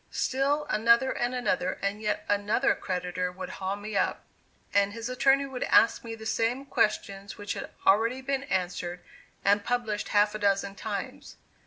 Still another and another, and yet another creditor would haul me up; and his attorney would ask me the same questions which had already been answered and published half a dozen times.